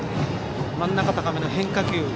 真ん中高めの変化球。